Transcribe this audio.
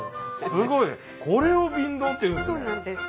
すごいこれを瓶ドンっていうんですね。